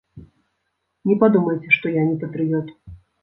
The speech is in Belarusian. Не падумайце, што я не патрыёт.